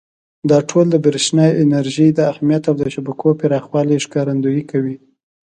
دا ټول د برېښنا انرژۍ د اهمیت او د شبکو پراخوالي ښکارندویي کوي.